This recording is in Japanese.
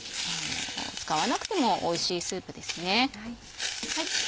使わなくてもおいしいスープですね。